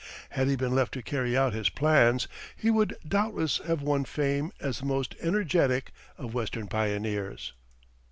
Had he been left to carry out his plans, he would doubtless have won fame as the most energetic of Western pioneers.